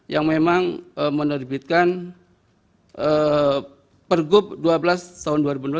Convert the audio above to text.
yang memang menerbitkan per gub dua belas tahun dua ribu enam belas